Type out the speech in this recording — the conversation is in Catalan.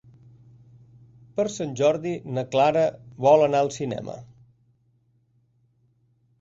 Per Sant Jordi na Clara vol anar al cinema.